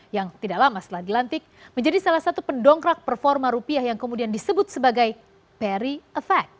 yang tidak lama setelah dilantik menjadi salah satu pendongkrak performa rupiah yang kemudian disebut sebagai perry effect